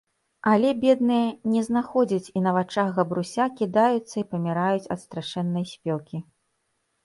Але, бедныя, не знаходзяць i на вачах Габруся кiдаюцца i памiраюць ад страшэннай спёкi...